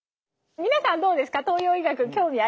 皆さんどうですか？